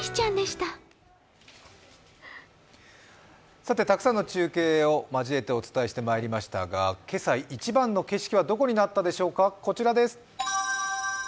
たくさんの中継を交えてお伝えしてまいりましたが、今朝、一番の景色はどこになったでしょうか。